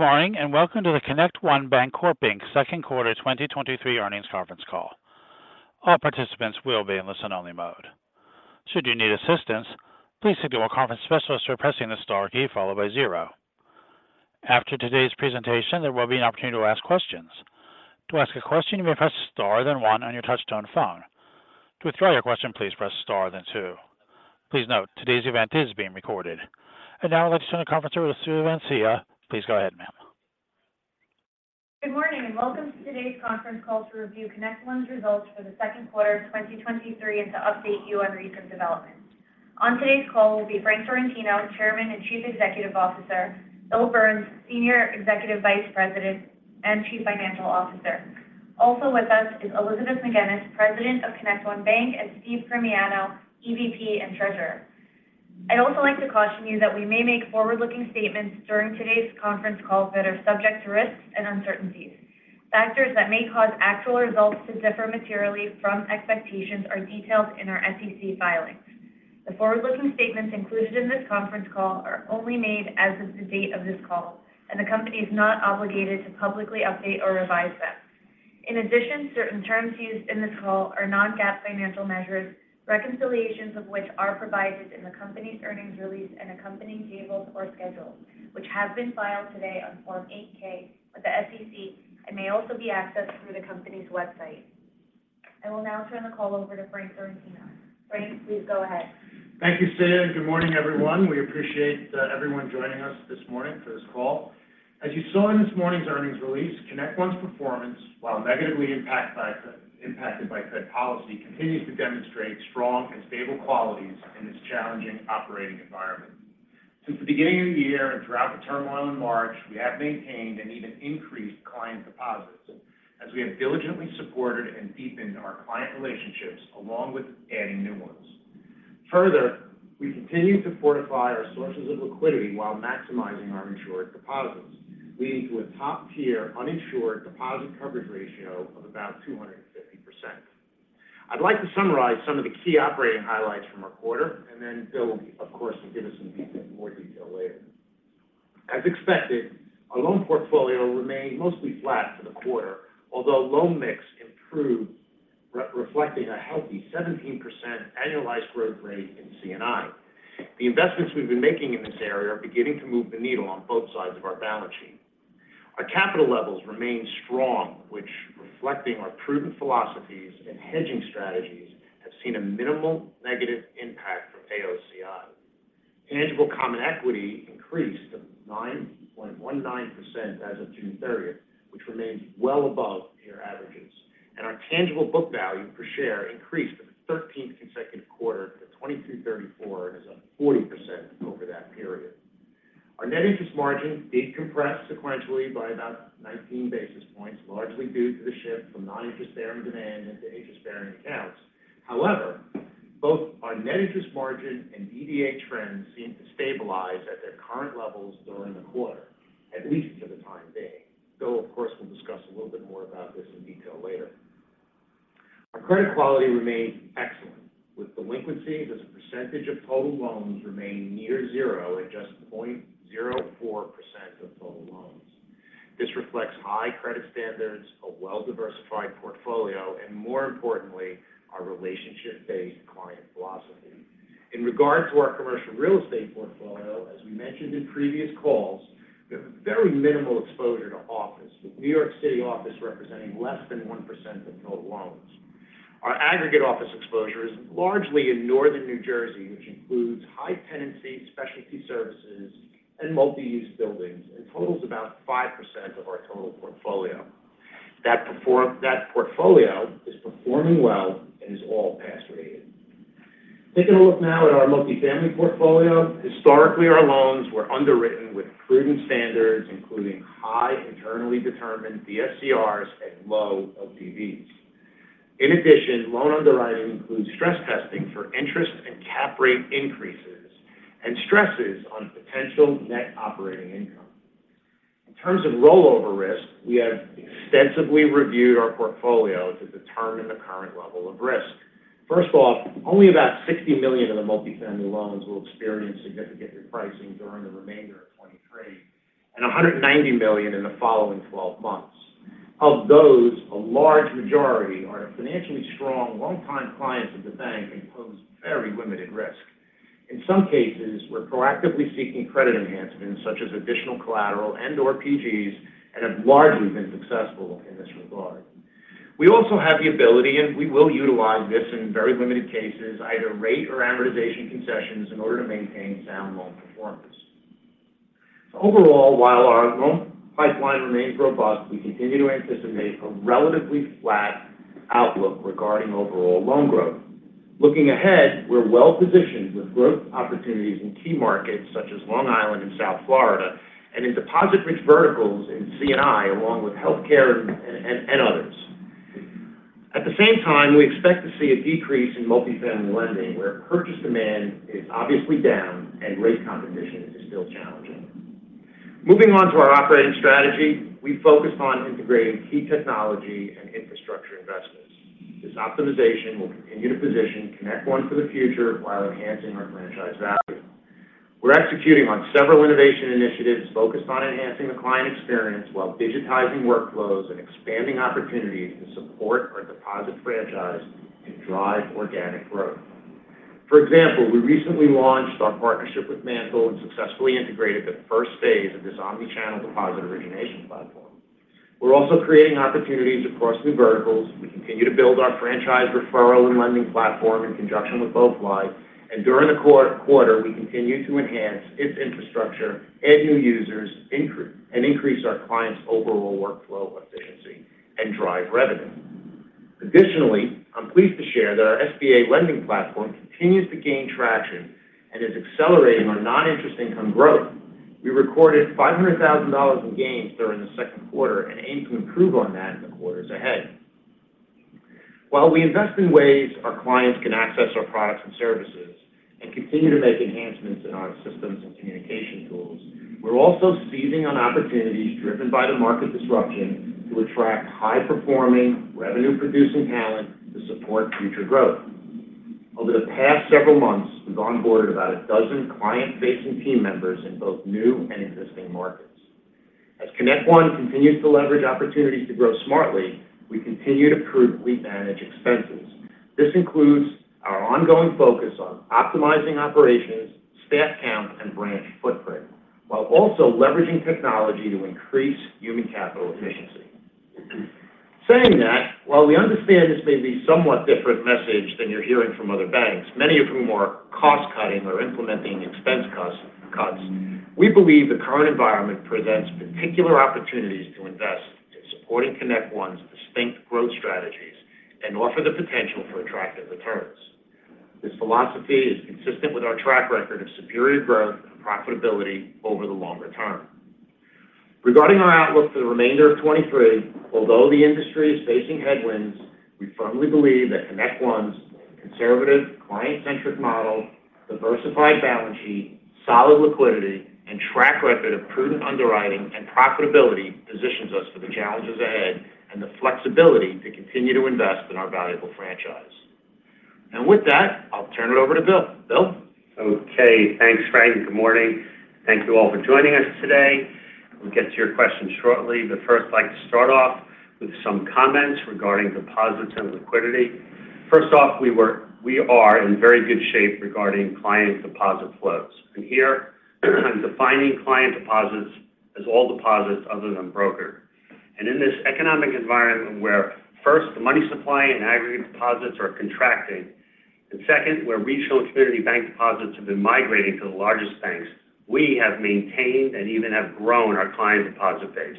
Good morning, and welcome to the ConnectOne Bancorp Inc.'s Q2 2023 earnings conference call. All participants will be in listen-only mode. Should you need assistance, please signal a conference specialist by pressing the star key, followed by zeero. After today's presentation, there will be an opportunity to ask questions. To ask a question, you may press star, then one on your touchtone phone. To withdraw your question, please press star, then two. Please note, today's event is being recorded. Now I'd like to turn the conference over to Siya Vansia. Please go ahead, ma'am. Good morning, and welcome to today's conference call to review ConnectOne's results for the Q2 of 2023 and to update you on recent developments. On today's call will be Frank Sorrentino, Chairman and Chief Executive Officer, Bill Burns, Senior Executive Vice President and Chief Financial Officer. Also with us is Elizabeth Magennis, President of ConnectOne Bank, and Steve Primiano, EVP and Treasurer. I'd also like to caution you that we may make forward-looking statements during today's conference call that are subject to risks and uncertainties. Factors that may cause actual results to differ materially from expectations are detailed in our SEC filings. The forward-looking statements included in this conference call are only made as of the date of this call, and the company is not obligated to publicly update or revise them. In addition, certain terms used in this call are non-GAAP financial measures, reconciliations of which are provided in the company's earnings release and accompanying tables or schedules, which have been filed today on Form 8-K with the SEC and may also be accessed through the company's website. I will now turn the call over to Frank Sorrentino. Frank, please go ahead. Thank you, Sue. Good morning, everyone. We appreciate everyone joining us this morning for this call. As you saw in this morning's earnings release, ConnectOne's performance, while negatively impacted by Fed policy, continues to demonstrate strong and stable qualities in this challenging operating environment. Since the beginning of the year and throughout the turmoil in March, we have maintained and even increased client deposits as we have diligently supported and deepened our client relationships along with adding new ones. We continue to fortify our sources of liquidity while maximizing our insured deposits, leading to a top-tier uninsured deposit coverage ratio of about 250%. I'd like to summarize some of the key operating highlights from our quarter, then Bill, of course, will give us some more detail later. As expected, our loan portfolio remained mostly flat for the quarter, although loan mix improved, reflecting a healthy 17% annualized growth rate in C&I. The investments we've been making in this area are beginning to move the needle on both sides of our balance sheet. Our capital levels remain strong, which reflecting our prudent philosophies and hedging strategies, have seen a minimal negative impact from AOCI. Tangible common equity increased to 9.19% as of June 30th, which remains well above year averages, and our tangible book value per share increased for the 13th consecutive quarter to $22.34 and is up 40% over that period. Our Net Interest Margin did compress sequentially by about 19 basis points, largely due to the shift from non-interest-bearing demand into interest-bearing accounts. However, both our net interest margin and DDA trends seem to stabilize at their current levels during the quarter, at least for the time being. Bill, of course, will discuss a little bit more about this in detail later. Our credit quality remains excellent, with delinquencies as a percentage of total loans remaining near zero at just 0.04% of total loans. This reflects high credit standards, a well-diversified portfolio, and more importantly, our relationship-based client philosophy. In regard to our commercial real estate portfolio, as we mentioned in previous calls, we have a very minimal exposure to office, with New York City office representing less than 1% of total loans. Our aggregate office exposure is largely in Northern New Jersey, which includes high tenancy, specialty services, and multi-use buildings, and totals about 5% of our total portfolio. That portfolio is performing well and is all past rated. Taking a look now at our multifamily portfolio. Historically, our loans were underwritten with prudent standards, including high internally determined DSCRs and low LTVs. In addition, loan underwriting includes stress testing for interest and cap rate increases and stresses on potential net operating income. In terms of rollover risk, we have extensively reviewed our portfolio to determine the current level of risk. First of all, only about $60 million of the multifamily loans will experience significant repricing during the remainder of 2023 and $190 million in the following 12 months. Of those, a large majority are financially strong, long-time clients of the bank and pose very limited risk. In some cases, we're proactively seeking credit enhancements such as additional collateral and/or PGs, and have largely been successful in this regard. We also have the ability, and we will utilize this in very limited cases, either rate or amortization concessions in order to maintain sound loan performance. Overall, while our loan pipeline remains robust, we continue to anticipate a relatively flat outlook regarding overall loan growth. Looking ahead, we're well positioned with growth opportunities in key markets such as Long Island and South Florida, and in deposit-rich verticals in C&I, along with healthcare and others. At the same time, we expect to see a decrease in multifamily lending, where purchase demand is obviously down and rate competition is still challenging. Moving on to our operating strategy. We focused on integrating key technology and infrastructure investments. This optimization will continue to position ConnectOne for the future while enhancing our franchise value. We're executing on several innovation initiatives focused on enhancing the client experience while digitizing workflows and expanding opportunities to support our deposit franchise and drive organic growth. We recently launched our partnership with MANTL and successfully integrated the first phase of this omni-channel deposit origination platform. We're also creating opportunities across new verticals. We continue to build our franchise referral and lending platform in conjunction with BoeFly, during the quarter, we continued to enhance its infrastructure, add new users, and increase our clients' overall workflow efficiency and drive revenue. I'm pleased to share that our SBA lending platform continues to gain traction and is accelerating our non-interest income growth. We recorded $500,000 in gains during the Q2 and aim to improve on that in the quarters ahead. While we invest in ways our clients can access our products and services and continue to make enhancements in our systems and communication tools, we're also seizing on opportunities driven by the market disruption to attract high-performing, revenue-producing talent to support future growth. Over the past several months, we've onboarded about a dozen client-facing team members in both new and existing markets. As ConnectOne continues to leverage opportunities to grow smartly, we continue to prudently manage expenses. This includes our ongoing focus on optimizing operations, staff count, and branch footprint, while also leveraging technology to increase human capital efficiency. Saying that, while we understand this may be a somewhat different message than you're hearing from other banks, many of whom are cost-cutting or implementing expense costs, we believe the current environment presents particular opportunities to invest in supporting ConnectOne's distinct growth strategies and offer the potential for attractive returns. This philosophy is consistent with our track record of superior growth and profitability over the longer term. Regarding our outlook for the remainder of 2023, although the industry is facing headwinds, we firmly believe that ConnectOne's conservative, client-centric model, diversified balance sheet, solid liquidity, and track record of prudent underwriting and profitability positions us for the challenges ahead and the flexibility to continue to invest in our valuable franchise. With that, I'll turn it over to Bill. Bill? Okay, thanks, Frank, and good morning. Thank you all for joining us today. We'll get to your questions shortly, but first, I'd like to start off with some comments regarding deposits and liquidity. First off, we are in very good shape regarding client deposit flows. Here, I'm defining client deposits as all deposits other than brokered. In this economic environment where first, the money supply and aggregate deposits are contracting, and second, where regional and community bank deposits have been migrating to the largest banks, we have maintained and even have grown our client deposit base.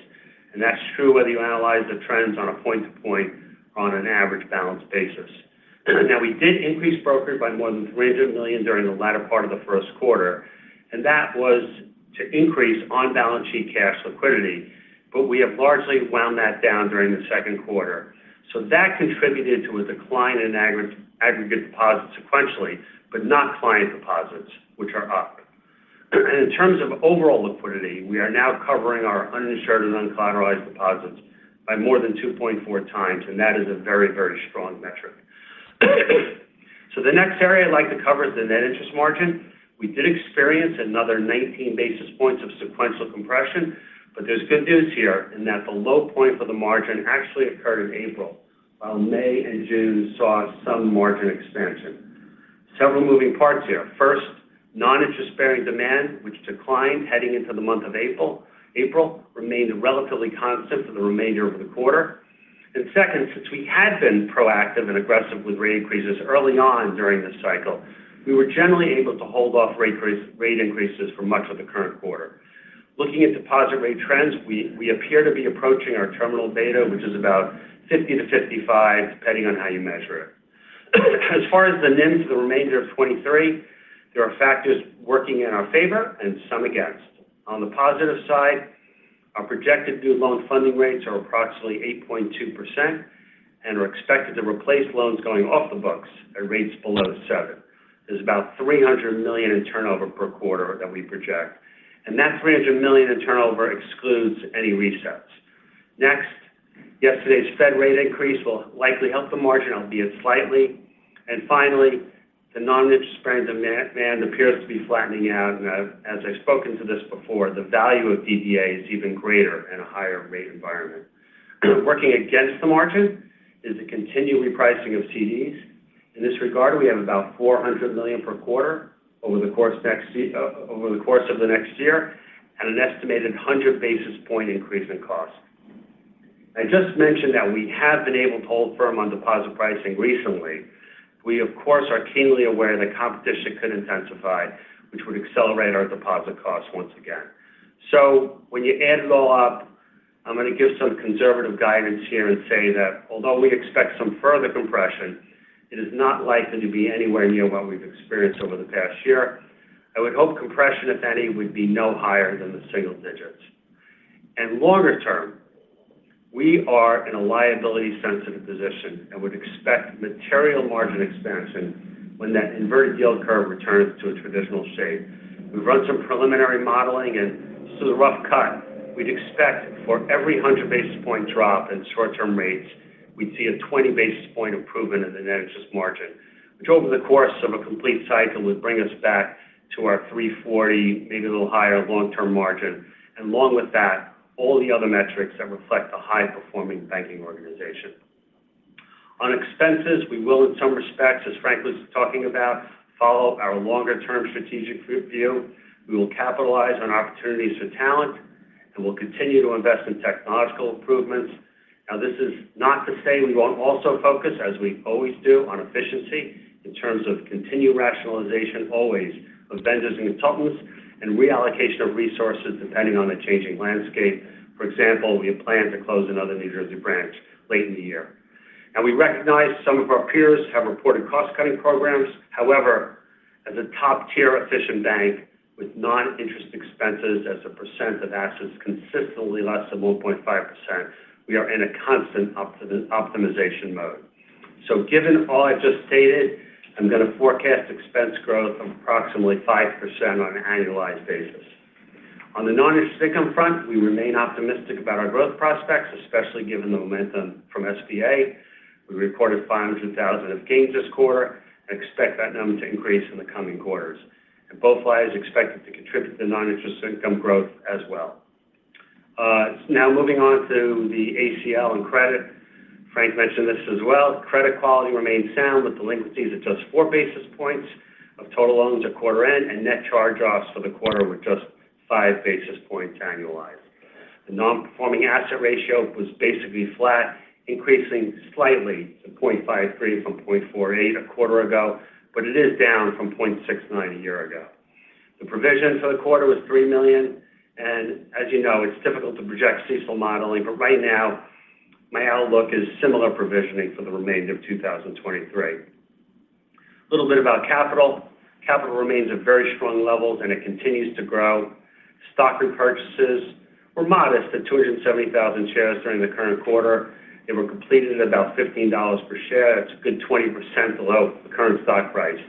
That's true whether you analyze the trends on a point-to-point or on an average balance basis. We did increase brokered by more than $300 million during the latter part of the first quarter, that was to increase on-balance sheet cash liquidity, we have largely wound that down during the Q2. That contributed to a decline in aggregate deposits sequentially, not client deposits, which are up. In terms of overall liquidity, we are now covering our uninsured and uncollateralized deposits by more than 2.4 times, that is a very, very strong metric. The next area I'd like to cover is the net interest margin. We did experience another 19 basis points of sequential compression, there's good news here in that the low point for the margin actually occurred in April, while May and June saw some margin expansion. Several moving parts here. First, non-interest-bearing demand, which declined heading into the month of April. April remained relatively constant for the remainder of the quarter. Second, since we had been proactive and aggressive with rate increases early on during this cycle, we were generally able to hold off rate increases for much of the current quarter. Looking at deposit rate trends, we appear to be approaching our terminal beta, which is about 50-55, depending on how you measure it. As far as the NIMs for the remainder of 23, there are factors working in our favor and some against. On the positive side, our projected new loan funding rates are approximately 8.2% and are expected to replace loans going off the books at rates below 7. There's about $300 million in turnover per quarter that we project, and that $300 million in turnover excludes any resets. Next, yesterday's Fed rate increase will likely help the margin, albeit slightly. Finally, the non-interest bearing demand appears to be flattening out. As I've spoken to this before, the value of DDA is even greater in a higher rate environment. Working against the margin is the continued repricing of CDs. In this regard, we have about $400 million per quarter over the course of the next year, and an estimated 100 basis point increase in cost. I just mentioned that we have been able to hold firm on deposit pricing recently. We, of course, are keenly aware that competition could intensify, which would accelerate our deposit costs once again. When you add it all up, I'm going to give some conservative guidance here and say that although we expect some further compression, it is not likely to be anywhere near what we've experienced over the past year. I would hope compression, if any, would be no higher than the single digits. Longer term, we are in a liability-sensitive position and would expect material margin expansion when that inverted yield curve returns to a traditional shape. We've run some preliminary modeling, and just to the rough cut, we'd expect for every 100 basis point drop in short-term rates, we'd see a 20 basis point improvement in the net interest margin, which over the course of a complete cycle would bring us back to our 340, maybe a little higher long-term margin. Along with that, all the other metrics that reflect a high-performing banking organization. On expenses, we will, in some respects, as Frank was talking about, follow our longer-term strategic review. We will capitalize on opportunities for talent, and we'll continue to invest in technological improvements. This is not to say we won't also focus, as we always do, on efficiency in terms of continued rationalization, always, of vendors and consultants and reallocation of resources depending on the changing landscape. For example, we have planned to close another New Jersey branch late in the year. We recognize some of our peers have reported cost-cutting programs. However, as a top-tier efficient bank with non-interest expenses as a percent of assets consistently less than 1.5%, we are in a constant optimization mode. Given all I've just stated, I'm going to forecast expense growth of approximately 5% on an annualized basis. On the non-interest income front, we remain optimistic about our growth prospects, especially given the momentum from SBA. We recorded $500,000 of gains this quarter and expect that number to increase in the coming quarters. Both lines are expected to contribute to non-interest income growth as well. Now moving on to the ACL and credit. Frank mentioned this as well. Credit quality remains sound, with delinquencies at just 4 basis points of total loans at quarter end, and net charge-offs for the quarter were just 5 basis points annualized. The non-performing asset ratio was basically flat, increasing slightly to 0.53 from 0.48 a quarter ago, but it is down from 0.69 a year ago. The provision for the quarter was $3 million. As you know, it's difficult to project CECL modeling, but right now my outlook is similar provisioning for the remainder of 2023. A little bit about capital. Capital remains at very strong levels, and it continues to grow. Stock repurchases were modest at 270,000 shares during the current quarter. They were completed at about $15 per share. That's a good 20% below the current stock price.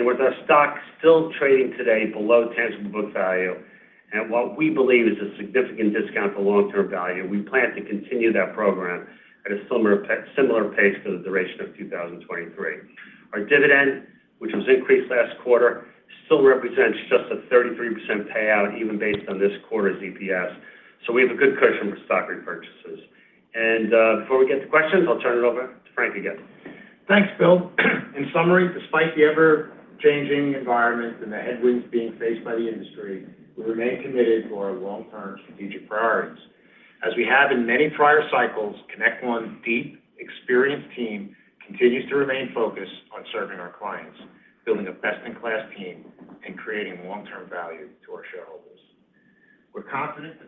With our stock still trading today below tangible book value, and what we believe is a significant discount for long-term value, we plan to continue that program at a similar pace for the duration of 2023. Our dividend, which was increased last quarter, still represents just a 33% payout, even based on this quarter's EPS. We have a good cushion for stock repurchases. Before we get to questions, I'll turn it over to Frank again. Thanks, Bill. In summary, despite the ever-changing environment and the headwinds being faced by the industry, we remain committed to our long-term strategic priorities. As we have in many prior cycles, ConnectOne's deep, experienced team continues to remain focused on serving our clients, building a best-in-class team, and creating long-term value to our shareholders. We're confident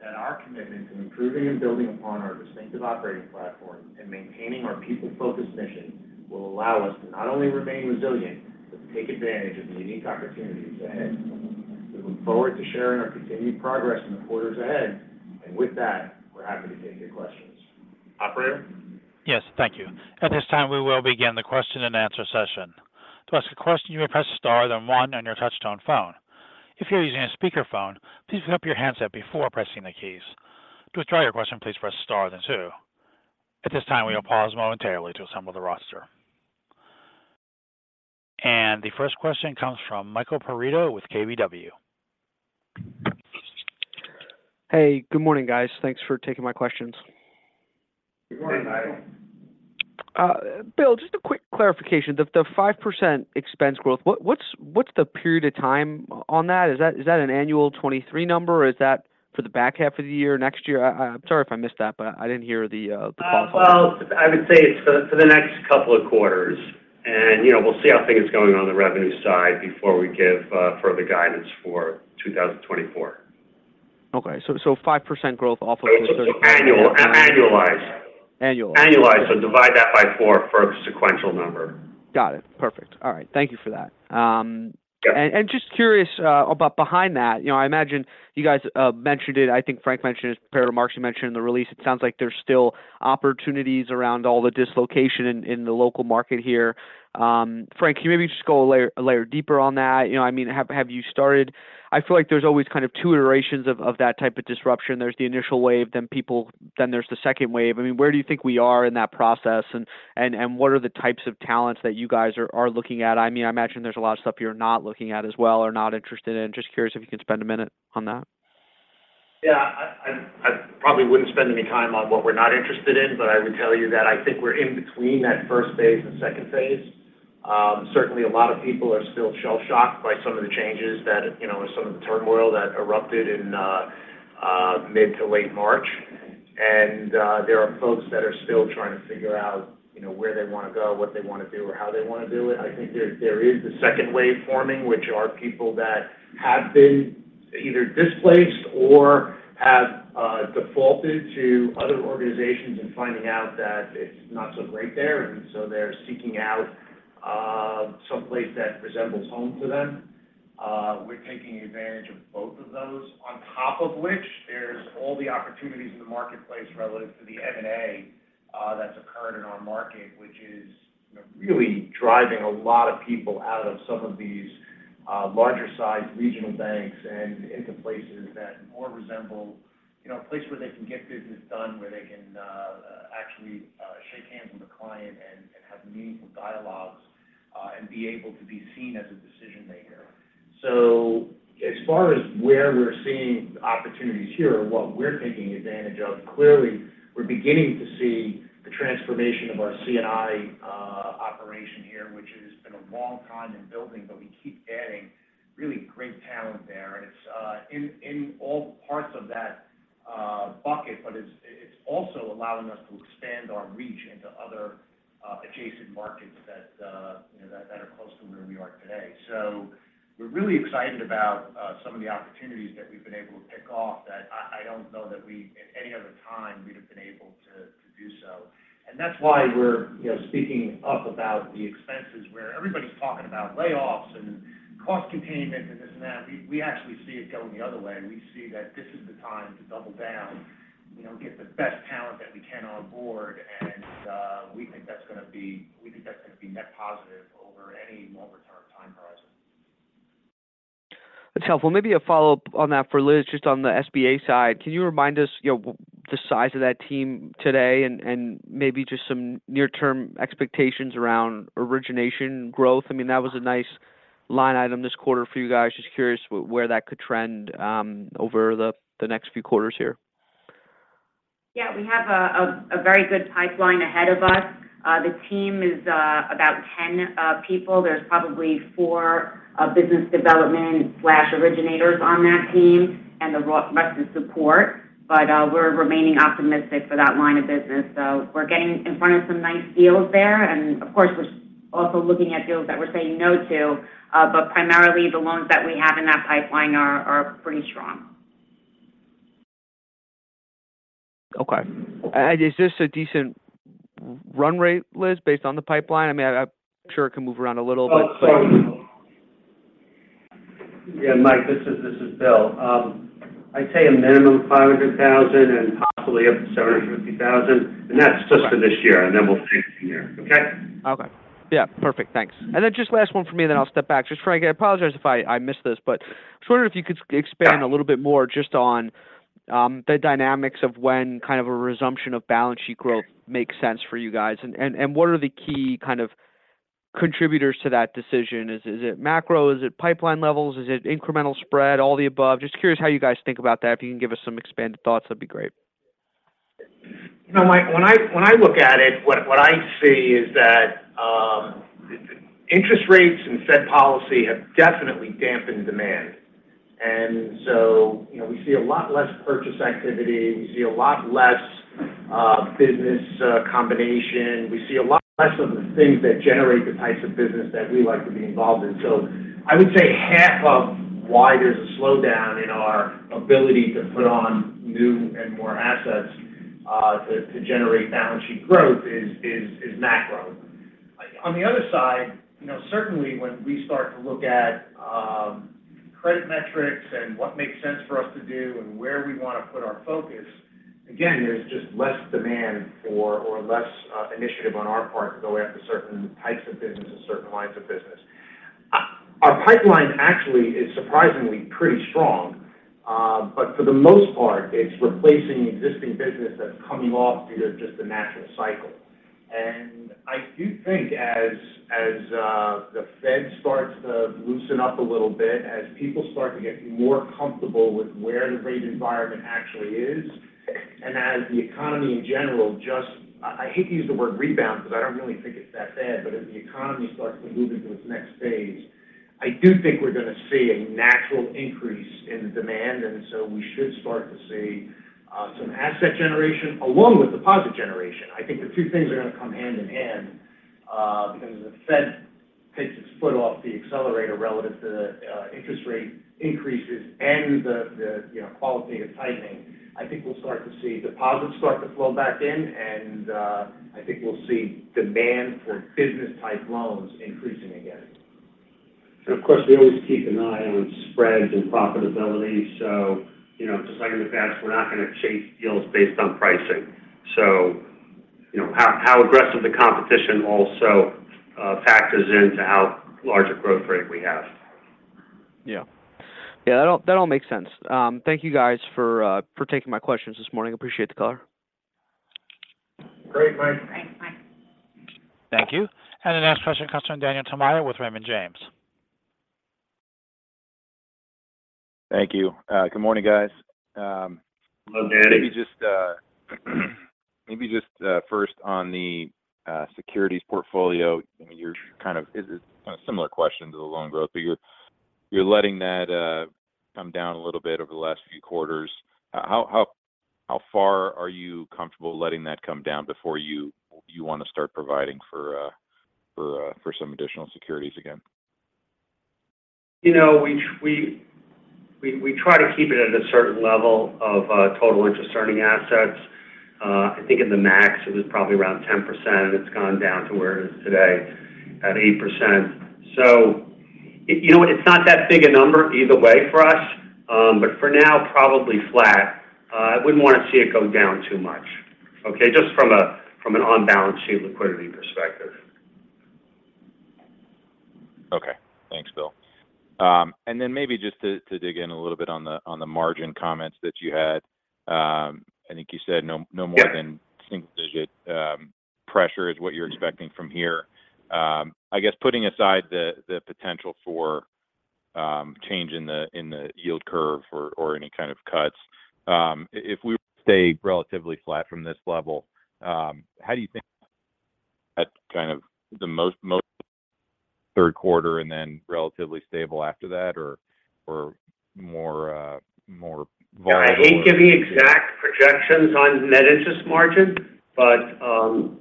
that our commitment to improving and building upon our distinctive operating platform and maintaining our people-focused mission will allow us to not only remain resilient, but take advantage of the unique opportunities ahead. We look forward to sharing our continued progress in the quarters ahead. With that, we're happy to take your questions. Operator? Yes. Thank you. At this time, we will begin the question-and-answer session. To ask a question, you will press star, then one on your touchtone phone. If you're using a speakerphone, please pick up your handset before pressing the keys. To withdraw your question, please press star, then two. At this time, we will pause momentarily to assemble the roster. The first question comes from Michael Perito with KBW. Hey, good morning, guys. Thanks for taking my questions. Good morning, Michael. Good morning. Bill, just a quick clarification. The 5% expense growth, what's the period of time on that? Is that an annual 2023 number, or is that for the back half of the year, next year? Sorry if I missed that, but I didn't hear the call on that. I would say it's for the next couple of quarters, and, you know, we'll see how things going on the revenue side before we give further guidance for 2024. Okay. 5% growth off of- Annual, annualized. Annualized. Annualized. divide that by 4 for a sequential number. Got it. Perfect. All right. Thank you for that. Yeah. Just curious about behind that, you know, I imagine you guys mentioned it. I think Frank mentioned it, Perito Marx, you mentioned in the release, it sounds like there's still opportunities around all the dislocation in the local market here. Frank, can you maybe just go a layer deeper on that? You know, I mean, have you started? I feel like there's always kind of two iterations of that type of disruption. There's the initial wave, then there's the second wave. I mean, where do you think we are in that process? What are the types of talents that you guys are looking at? I mean, I imagine there's a lot of stuff you're not looking at as well or not interested in. Just curious if you could spend a minute on that. I probably wouldn't spend any time on what we're not interested in, but I would tell you that I think we're in between that first phase and second phase. Certainly, a lot of people are still shell-shocked by some of the changes that, you know, some of the turmoil that erupted in mid to late March. There are folks that are still trying to figure out, you know, where they want to go, what they want to do, or how they want to do it. I think there is a second wave forming, which are people that have been either displaced or have defaulted to other organizations and finding out that it's not so great there, and so they're seeking out someplace that resembles home to them. We're taking advantage of both of those. On top of which, there's all the opportunities in the marketplace relative to the M&A that's occurred in our market, which is really driving a lot of people out of some of these larger-sized regional banks and into places that more resemble, you know, a place where they can get business done, where they can actually shake hands with a client and have meaningful dialogues and be able to be seen as a decision maker. As far as where we're seeing opportunities here, or what we're taking advantage of, clearly, we're beginning to see the transformation of our C&I operation here, which has been a long time in building, but we keep adding really great talent there. It's, in, in all parts of that bucket, but it's also allowing us to expand our reach into other adjacent markets that, you know, that are close to where we are today. We're really excited about some of the opportunities that we've been able to kick off that I, I don't know that we, at any other time, we'd have been able to, to do so. That's why we're, you know, speaking up about the expenses, where everybody's talking about layoffs and cost containment and this and that. We actually see it going the other way, and we see that this is the time to double down, you know, get the best talent that we can on board, and we think that's gonna be net positive over any longer-term time horizon. That's helpful. Maybe a follow-up on that for Liz, just on the SBA side. Can you remind us, you know, the size of that team today and, and maybe just some near-term expectations around origination growth? I mean, that was a nice line item this quarter for you guys. Just curious where that could trend, over the, the next few quarters here. Yeah, we have a very good pipeline ahead of us. The team is about 10 people. There's probably 4 business development/originators on that team and the rest is support. We're remaining optimistic for that line of business. We're getting in front of some nice deals there, and of course, we're also looking at deals that we're saying no to. Primarily, the loans that we have in that pipeline are pretty strong. Okay. Is this a decent run rate, Liz, based on the pipeline? I mean, I'm sure it can move around a little bit, but- Sorry. Mike, this is Bill. I'd say a minimum of $500,000 and possibly up to $750,000, and that's just for this year, and then we'll see next year. Okay? Okay. Yeah, perfect. Thanks. Then just last one from me, then I'll step back. Just Frank, I apologize if I missed this, but I was wondering if you could expand a little bit more just on the dynamics of when kind of a resumption of balance sheet growth makes sense for you guys. What are the key kind of contributors to that decision? Is it macro? Is it pipeline levels? Is it incremental spread, all the above? Just curious how you guys think about that. If you can give us some expanded thoughts, that'd be great. You know, Mike, when I, when I look at it, what, what I see is that interest rates and Fed policy have definitely dampened demand. You know, we see a lot less purchase activity, we see a lot less business combination. We see a lot less of the things that generate the types of business that we like to be involved in. I would say half of why there's a slowdown in our ability to put on new and more assets to generate balance sheet growth is macro. On the other side, you know, certainly when we start to look at credit metrics and what makes sense for us to do and where we want to put our focus, again, there's just less demand for or less initiative on our part to go after certain types of business and certain lines of business. Our pipeline actually is surprisingly pretty strong, but for the most part, it's replacing existing business that's coming off due to just the natural cycle. I do think as the Fed starts to loosen up a little bit, as people start to get more comfortable with where the rate environment actually is, and as the economy in general, just... I hate to use the word rebound, because I don't really think it's that bad. As the economy starts to move into its next phase, I do think we're going to see a natural increase in the demand. We should start to see some asset generation along with deposit generation. I think the two things are going to come hand in hand, because the Fed takes its foot off the accelerator relative to the interest rate increases and the, you know, qualitative tightening. I think we'll start to see deposits start to flow back in. I think we'll see demand for business-type loans increasing again. Of course, we always keep an eye on spreads and profitability. You know, just like in the past, we're not going to chase deals based on pricing. You know, how aggressive the competition also factors into how large a growth rate we have. Yeah. Yeah, that all, that all makes sense. Thank you guys for taking my questions this morning. Appreciate the call. Great, Mike. Thanks, Mike. Thank you. The next question comes from Daniel Tamayo with Raymond James. Thank you. Good morning, guys. Hello, Danny. Maybe just first on the securities portfolio, I mean, you're kind of, is it a similar question to the loan growth, but you're letting that come down a little bit over the last few quarters. How far are you comfortable letting that come down before you want to start providing for some additional securities again? You know, we, we, we try to keep it at a certain level of total interest-earning assets. I think in the max, it was probably around 10%, and it's gone down to where it is today, at 8%. You know what? It's not that big a number either way for us, but for now, probably flat. I wouldn't want to see it go down too much, okay? Just from an on-balance sheet liquidity perspective. Okay. Thanks, Bill. Maybe just to, to dig in a little bit on the, on the margin comments that you had. I think you said no more than- Yeah Single digit pressure is what you're expecting from here. I guess putting aside the potential for change in the yield curve or any kind of cuts, if we stay relatively flat from this level, how do you think that's kind of the most third quarter and then relatively stable after that, or more vulnerable? I hate giving exact projections on Net Interest Margin, but,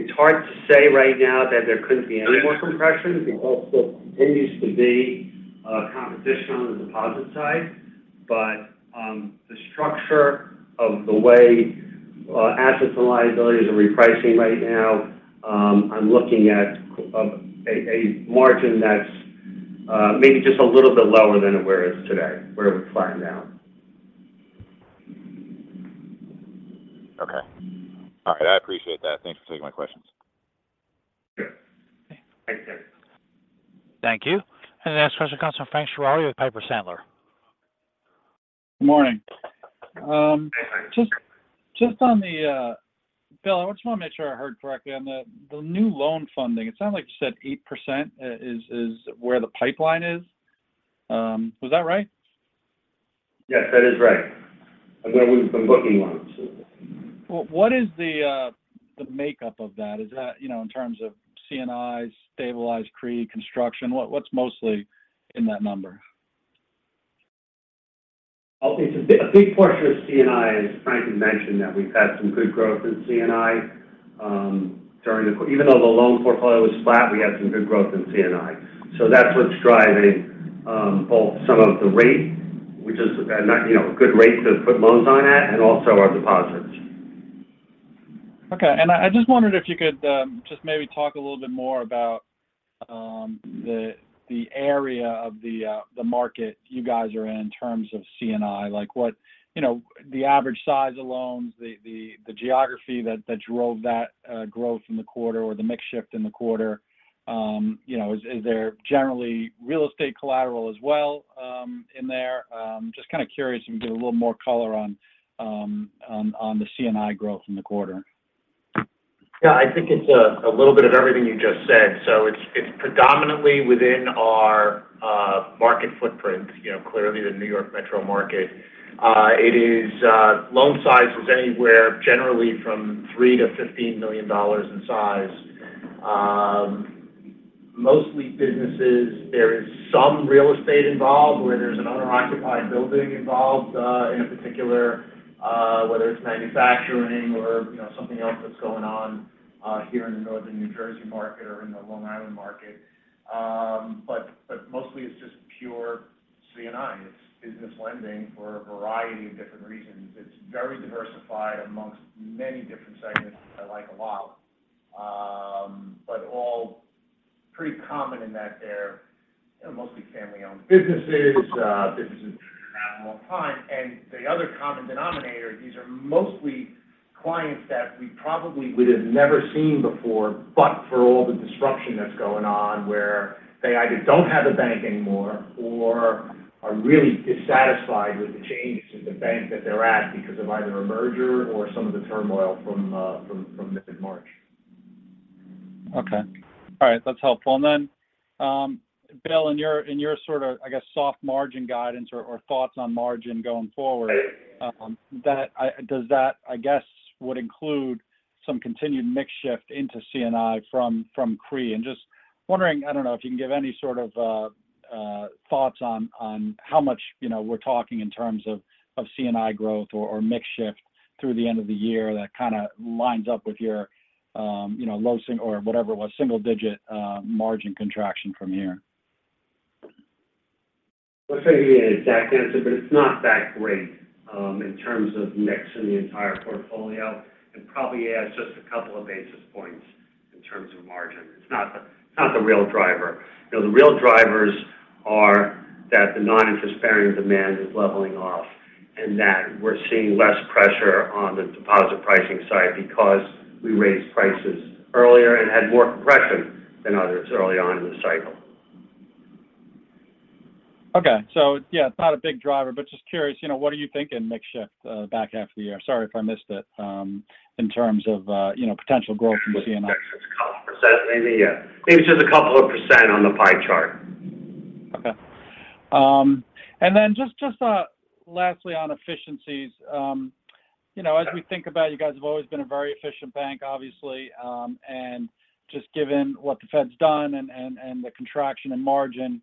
it's hard to say right now that there couldn't be any more compression. It also continues to be, competition on the deposit side, but, the structure of the way, assets and liabilities are repricing right now. I'm looking at, a margin that's, maybe just a little bit lower than where it is today, where it would flatten out. Okay. All right. I appreciate that. Thanks for taking my questions. Sure. Thanks, Daniel. Thank you. The next question comes from Frank Schiraldi with Piper Sandler. Good morning. Hey, Frank. Just on the, Bill, I just want to make sure I heard correctly on the, the new loan funding. It sounds like you said 8% is where the pipeline is. Was that right? Yes, that is right. I'm going with the booking lines. Well, what is the makeup of that? Is that, you know, in terms of C&Is, stabilized CRE, construction, what's mostly in that number? Well, it's a big portion of C&I, as Franklin mentioned, that we've had some good growth in C&I. Even though the loan portfolio is flat, we had some good growth in C&I. That's what's driving, both some of the rate, which is, and, you know, good rate to put loans on at, and also our deposits. Okay. I, I just wondered if you could, just maybe talk a little bit more about the area of the market you guys are in in terms of C&I. Like, what, you know, the average size of loans, the geography that drove that growth in the quarter or the mix shift in the quarter. You know, is there generally real estate collateral as well, in there? Just kind of curious if you can get a little more color on the C&I growth in the quarter? Yeah, I think it's a little bit of everything you just said. it's predominantly within our market footprint, you know, clearly the New York metro market. it is loan size is anywhere generally from $3-$15 million in size. Mostly businesses. There is some real estate involved where there's an owner-occupied building involved, in particular, whether it's manufacturing or, you know, something else that's going on here in the Northern New Jersey market or in the Long Island market. but mostly it's just pure C&I. It's business lending for a variety of different reasons. It's very diversified amongst many different segments I like a lot. but all pretty common in that they're, you know, mostly family-owned businesses, businesses have a long time. The other common denominator, these are mostly clients that we probably would have never seen before, but for all the disruption that's going on, where they either don't have a bank anymore or are really dissatisfied with the changes in the bank that they're at because of either a merger or some of the turmoil from mid-March. Okay. All right. That's helpful. Bill, in your, in your sort of, I guess, soft margin guidance or, or thoughts on margin going forward, does that, I guess, would include some continued mix shift into C&I from, from CRE? Just wondering, I don't know if you can give any sort of thoughts on how much, you know, we're talking in terms of C&I growth or mix shift through the end of the year that kind of lines up with your, you know, low sing or whatever it was, single digit margin contraction from here? Let's say the exact answer. It's not that great in terms of mix in the entire portfolio, and probably adds just a couple of basis points in terms of margin. It's not the real driver. You know, the real drivers are that the non-interest bearing demand is leveling off, and that we're seeing less pressure on the deposit pricing side because we raised prices earlier and had more compression than others early on in the cycle. Okay. Yeah, it's not a big driver, but just curious, you know, what are you thinking mix shift back half of the year? Sorry if I missed it, in terms of, you know, potential growth from C&I. It's a couple %, maybe, yeah. Maybe just a couple of % on the pie chart. Okay. Just lastly, on efficiencies, you know, as we think about, you guys have always been a very efficient bank, obviously, and just given what the Fed's done and the contraction in margin,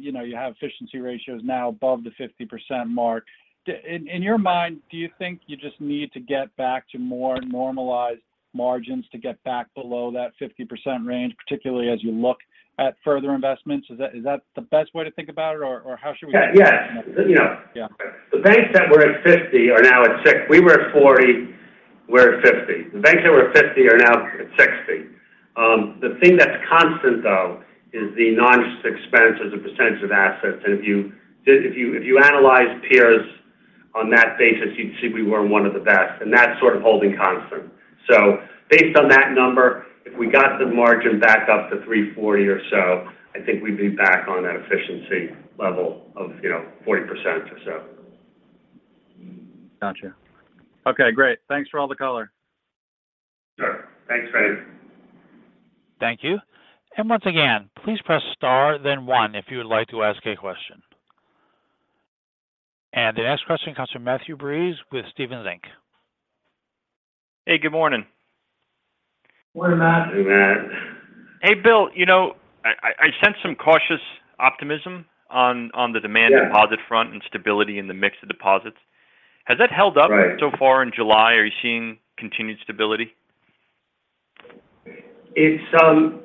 you know, you have efficiency ratios now above the 50% mark. In your mind, do you think you just need to get back to more normalized margins to get back below that 50% range, particularly as you look at further investments? Is that the best way to think about it, or how should we- Yeah, yeah. You know. Yeah. The banks that were at 50 are now at 6. We were at 40, we're at 50. The banks that were at 50 are now at 60. The thing that's constant, though, is the non-interest expense as a percentage of assets. If you, if you analyze peers on that basis, you'd see we were one of the best, and that's sort of holding constant. Based on that number, if we got the margin back up to 340 or so, I think we'd be back on that efficiency level of, you know, 40% or so. Gotcha. Okay, great. Thanks for all the color. Sure. Thanks, Frank. Thank you. Once again, please press star, then one if you would like to ask a question. The next question comes from Matthew Breese with Stephens Inc.. Hey, good morning. Good morning, Matt. Hey, Matt. Hey, Bill, you know, I sense some cautious optimism on the demand- Yeah deposit front and stability in the mix of deposits. Has that held up? Right far in July? Are you seeing continued stability? It's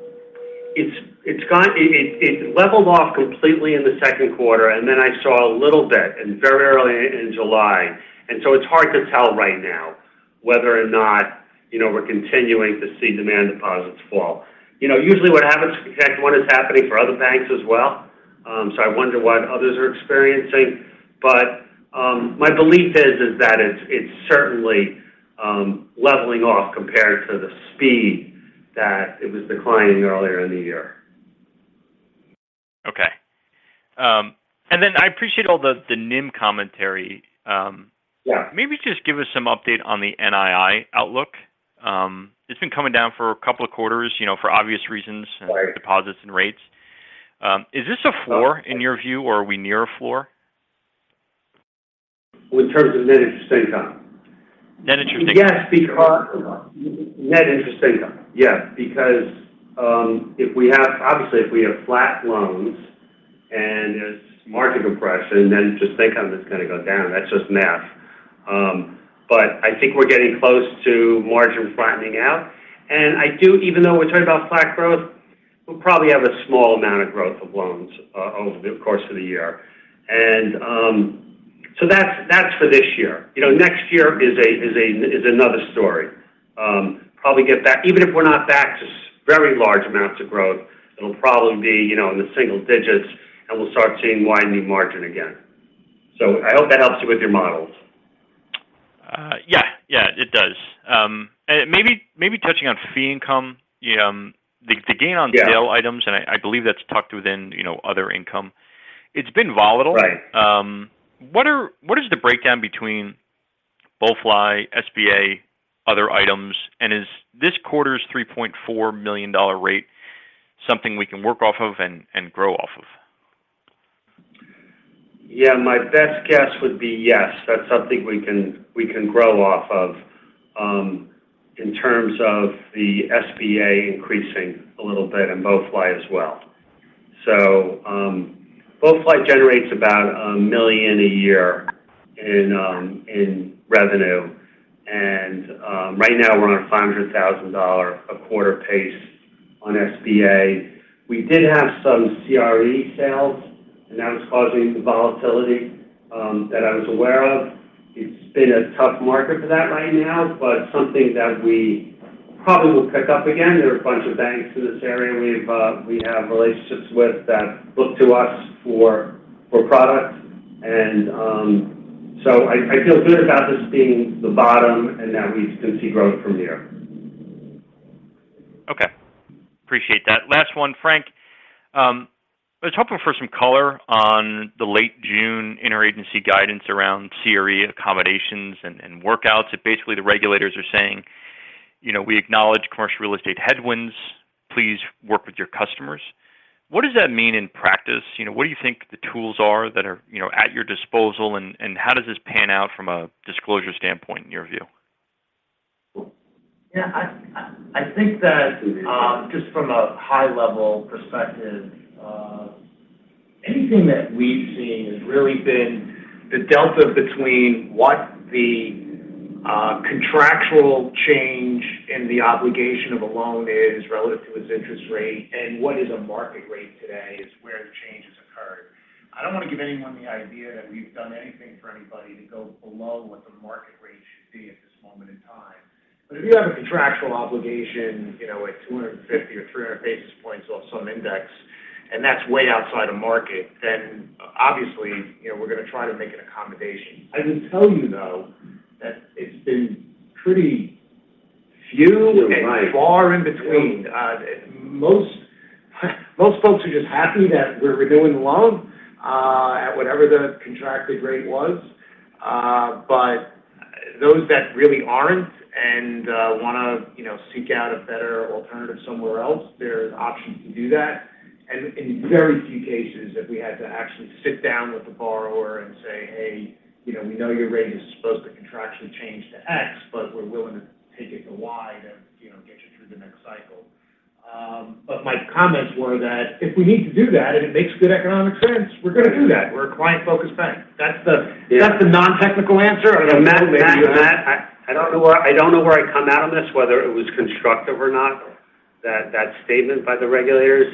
leveled off completely in the Q2, and then I saw a little bit in very early in July. It's hard to tell right now whether or not, you know, we're continuing to see demand deposits fall. You know, usually what happens, exactly what is happening for other banks as well, so I wonder what others are experiencing. My belief is that it's certainly leveling off compared to the speed that it was declining earlier in the year. I appreciate all the, the NIM commentary. Yeah. Maybe just give us some update on the NII outlook. It's been coming down for a couple of quarters, you know, for obvious reasons. Right deposits and rates. Is this a floor in your view, or are we near a floor? In terms of net interest income? Net interest- Yes, because net interest income. Yes, because, obviously, if we have flat loans and there's market compression, then I'm just going to go down. That's just math. I think we're getting close to margin flattening out, even though we're talking about flat growth, we'll probably have a small amount of growth of loans over the course of the year. That's for this year. You know, next year is another story. Even if we're not back to very large amounts of growth, it'll probably be, you know, in the single digits, we'll start seeing widening margin again. I hope that helps you with your models. Yeah, yeah, it does. Maybe touching on fee income, the. Yeah -sale items, and I believe that's tucked within, you know, other income. It's been volatile. Right. What is the breakdown between BOLI, SBA, other items, and is this quarter's $3.4 million rate something we can work off of and grow off of? Yeah, my best guess would be yes, that's something we can grow off of, in terms of the SBA increasing a little bit and BOLI as well. BOLI generates about $1 million a year in revenue, and right now, we're on a $500,000 a quarter pace on SBA. We did have some CRE sales, and that was causing the volatility that I was aware of. It's been a tough market for that right now, but something that we probably will pick up again. There are a bunch of banks in this area we've, we have relationships with that look to us for products. I feel good about this being the bottom and that we can see growth from here. Okay. Appreciate that. Last one, Frank. I was hoping for some color on the late June interagency guidance around CRE accommodations and workouts. That basically the regulators are saying, you know, we acknowledge commercial real estate headwinds, please work with your customers. What does that mean in practice? You know, what do you think the tools are that are, you know, at your disposal, and how does this pan out from a disclosure standpoint in your view? Yeah, I think that, just from a high-level perspective, anything that we've seen has really been the delta between what the contractual change in the obligation of a loan is relative to its interest rate and what is a market rate today is where the change has occurred. I don't want to give anyone the idea that we've done anything for anybody to go below what the market rate should be at this moment in time. If you have a contractual obligation, you know, at 250 or 300 basis points off some index, and that's way outside of market, then obviously, you know, we're going to try to make an accommodation. I can tell you, though, that it's been pretty few and far in between. Most folks are just happy that we're renewing the loan at whatever the contracted rate was. Those that really aren't and want to, you know, seek out a better alternative somewhere else, there's options to do that. In very few cases have we had to actually sit down with the borrower and say, "Hey, you know, we know your rate is supposed to contractually change to X, but we're willing to take it to Y to, you know, get you through the next cycle." My comments were that if we need to do that, and it makes good economic sense, we're going to do that. We're a client-focused bank. That's the non-technical answer. I don't know, Matt, I don't know where I come out on this, whether it was constructive or not, that statement by the regulators.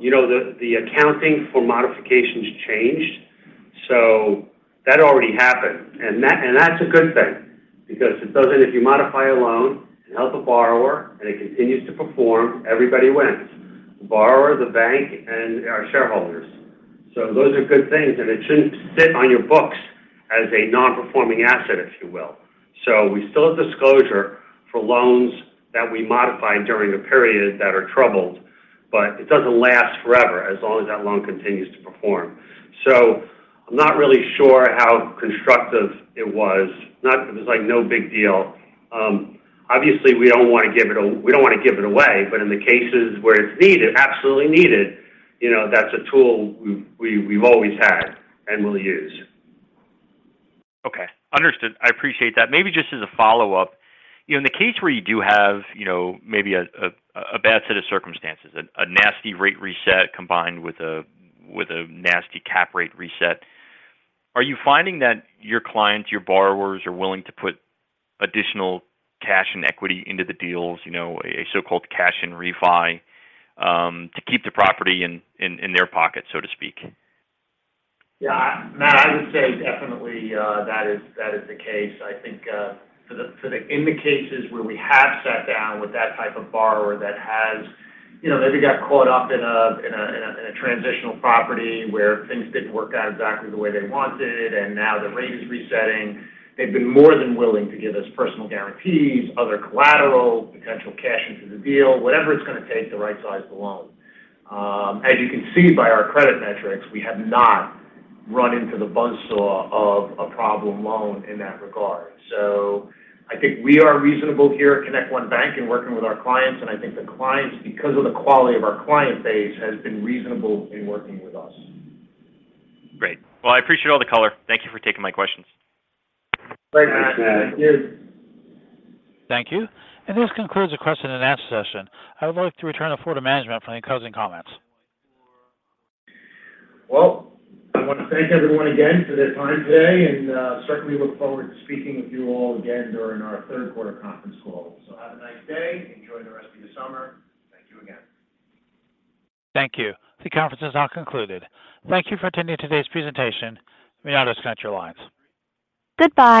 You know, the accounting for modifications changed, that already happened. That's a good thing because if you modify a loan and help a borrower, and it continues to perform, everybody wins. Borrower, the bank, and our shareholders. Those are good things, and it shouldn't sit on your books as a non-performing asset, if you will. We still have disclosure for loans that we modified during the period that are troubled, but it doesn't last forever, as long as that loan continues to perform. I'm not really sure how constructive it was. Not that it's like, no big deal. Obviously, we don't wanna give it away, but in the cases where it's needed, absolutely needed, you know, that's a tool we've always had and will use. Okay, understood. I appreciate that. Maybe just as a follow-up, you know, in the case where you do have, you know, maybe a bad set of circumstances, a nasty rate reset combined with a, with a nasty cap rate reset, are you finding that your clients, your borrowers, are willing to put additional cash and equity into the deals? You know, a so-called cash and refi to keep the property in their pocket, so to speak. Yeah, Matt, I would say definitely, that is the case. I think, for the cases where we have sat down with that type of borrower that has, you know, maybe got caught up in a transitional property where things didn't work out exactly the way they wanted, and now the rate is resetting. They've been more than willing to give us personal guarantees, other collateral, potential cash into the deal, whatever it's gonna take to right-size the loan. As you can see by our credit metrics, we have not run into the buzzsaw of a problem loan in that regard. I think we are reasonable here at ConnectOne Bank in working with our clients, and I think the clients, because of the quality of our client base, has been reasonable in working with us. Great. Well, I appreciate all the color. Thank you for taking my questions. Great, Matt. Thank you. Thank you. This concludes the question and answer session. I would like to return the floor to management for any closing comments. I wanna thank everyone again for their time today, and certainly look forward to speaking with you all again during our third quarter conference call. Have a nice day. Enjoy the rest of your summer. Thank you again. Thank you. The conference is now concluded. Thank you for attending today's presentation. You may now disconnect your lines. Goodbye.